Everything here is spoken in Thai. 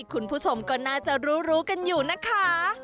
คุณผู้ชมก็น่าจะรู้รู้กันอยู่นะคะ